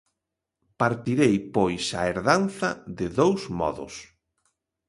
Partirei, pois, a herdanza de dous modos.